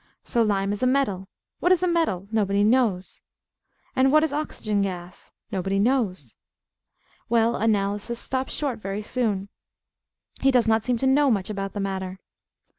So lime is a metal. What is a metal? Nobody knows. And what is oxygen gas? Nobody knows. Well, Analysis, stops short very soon. He does not seem to know much about the matter.